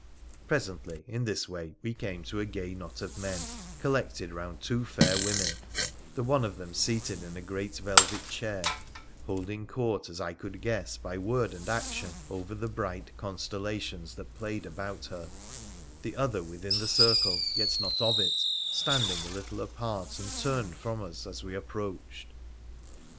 Presently in this way we came to a gay knot of men collected round two fair women, the one of them seated in a great velvet chair, holding court as I could guess by word and action over the bright constellations that played about her, the other within the circle, yet not of it, standing a little apart and turned from us as we approached.